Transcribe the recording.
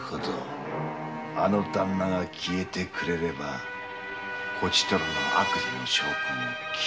あのダンナが消えてくれればこちとらの悪事の証拠も消える。